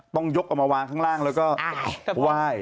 ต้องยกออกมาวางข้างล่างแล้วก็ไหว้